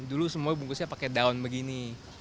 dulu semua bungkusnya pakai daun begini